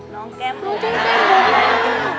น้องแก้มครับ